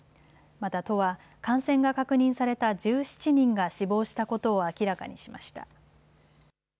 また都は感染が確認された１７人が死亡したことを明らかにしました。